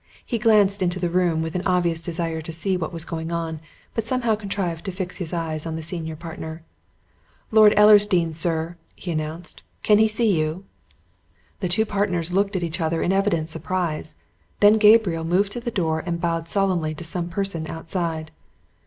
He glanced into the room with an obvious desire to see what was going on, but somehow contrived to fix his eyes on the senior partner. "Lord Ellersdeane, sir," he announced. "Can he see you?" The two partners looked at each other in evident surprise; then Gabriel moved to the door and bowed solemnly to some person outside.